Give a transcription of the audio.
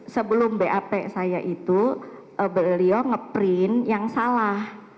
sebelum bap saya itu beliau nge print yang salah